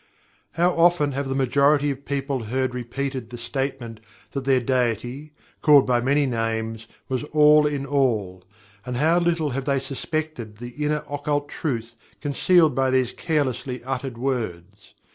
How often have the majority of people heard repeated the statement that their Deity (called by many names) was "All in All" and how little have they suspected the inner occult truth concealed by these carelessly uttered words?